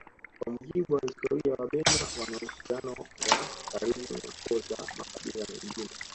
Kwa mujibu wa historia wabena wana uhusiano wa karibu na koo za makabila mengine